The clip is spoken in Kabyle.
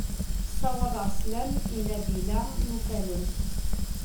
Sawaḍeɣ sslam i Nabila n Ufalu.